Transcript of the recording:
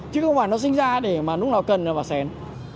chứ không phải nó sinh ra để mà lúc nào cần nó vào xén